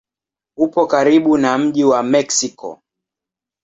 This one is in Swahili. Upo karibu na mji wa Meksiko.